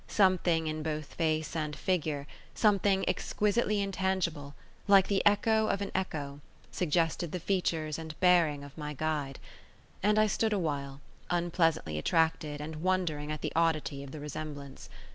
Something in both face and figure, something exquisitely intangible, like the echo of an echo, suggested the features and bearing of my guide; and I stood awhile, unpleasantly attracted and wondering at the oddity of the resemblance.